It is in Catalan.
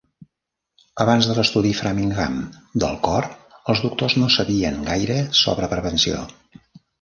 Abans de l'Estudi Framingham del Cor, els doctors no sabien gaire sobre prevenció.